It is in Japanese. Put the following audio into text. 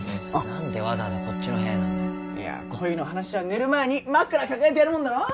何でわざわざこっちの部屋なんだよいや恋の話は寝る前に枕抱えてやるもんだろ